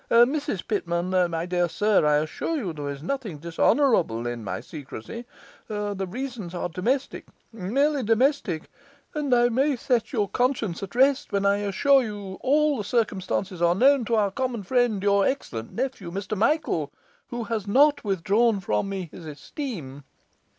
Mrs Pitman my dear Sir, I assure you there is nothing dishonourable in my secrecy; the reasons are domestic, merely domestic; and I may set your conscience at rest when I assure you all the circumstances are known to our common friend, your excellent nephew, Mr Michael, who has not withdrawn from me his esteem.